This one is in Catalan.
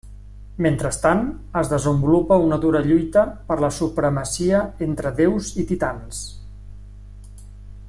Mentrestant, es desenvolupa una dura lluita per la supremacia entre déus i titans.